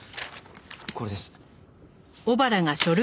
これです。